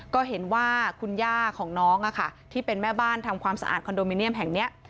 ก็เห็นว่าคุณย่าของน้องที่เป็นแม่บ้านทำความสะอาดคอนโดมิเนียมแห่งนี้